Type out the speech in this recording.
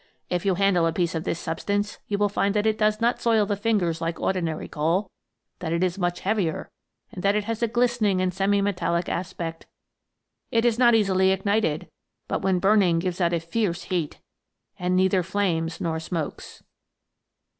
If you handle a piece of this sub stance, you will find that it does not soil the fingers like ordinary coal, that it is much heavier, and that it has a glistening and serai metallic aspect. It is not easily ignited, but when burning gives out a fierce heat, and neither flames nor smokes.